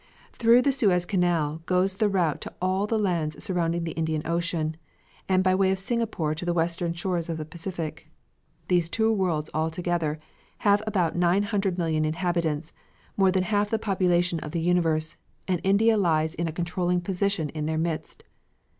Through the Suez Canal goes the route to all the lands surrounding the Indian Ocean, and by way of Singapore to the western shores of the Pacific. These two worlds together have about nine hundred million inhabitants, more than half the population of the universe, and India lies in a controlling position in their midst.